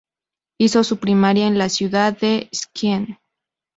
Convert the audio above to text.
Hizo su primaria en la ciudad de Skien.